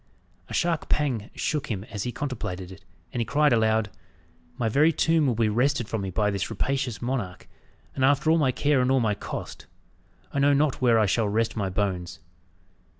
A sharp pang shook him as he contemplated it, and he cried aloud, "My very tomb will be wrested from me by this rapacious monarch; and after all my care and all my cost, I know not where I shall rest my bones!"